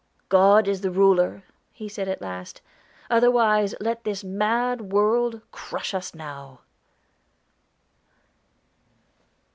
"God is the Ruler," he said at last. "Otherwise let this mad world crush us now."